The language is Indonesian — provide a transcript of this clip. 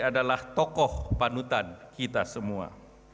adalah tokoh panutan kita semua